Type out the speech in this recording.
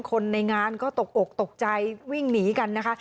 คนในงานก็ตกอกตกใจวิ่งหนีกันนะคะ